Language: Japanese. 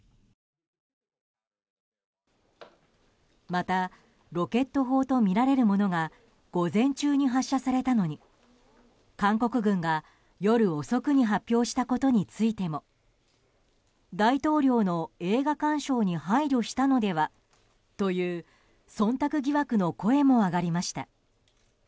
またロケット砲とみられるものが午前中に発射されたのに韓国軍が夜遅くに発表したことについても大統領の映画鑑賞に配慮したのではという忖度疑惑の声も上がりました。